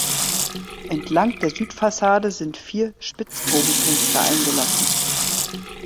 Entlang der Südfassade sind vier Spitzbogenfenster eingelassen.